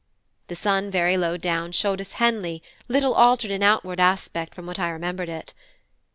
The sun very low down showed us Henley little altered in outward aspect from what I remembered it.